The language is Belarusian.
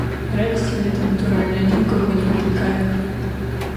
Радасці гэта, натуральна, ні ў каго не выклікае.